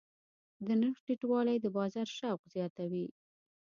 د نرخ ټیټوالی د بازار شوق زیاتوي.